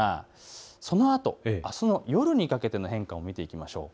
そのあと、あすの夜にかけての変化を見ていきましょう。